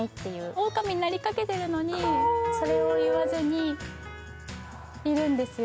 オオカミになりかけているのに、それを言わずにいるんですよ。